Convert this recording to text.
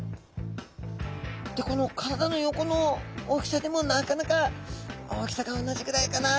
でこの体の横の大きさでもなかなか大きさが同じぐらいかな